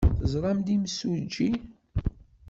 Teẓramt-d imsujji.